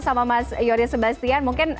sama mas yoris sebastian mungkin